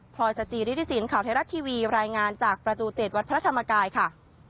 พลอยสจีริฐศิลป์ข่าวเทราชทีวีรายงานจากประจูตเจ็ดวัดพระธรรมกายค่ะ